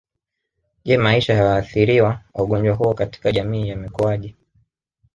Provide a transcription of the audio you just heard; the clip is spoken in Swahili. Je maisha ya waathiriwa wa ugonjwa huo katika jamii yamekuaje